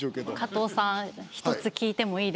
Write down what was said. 加藤さん一つ聞いてもいいですか？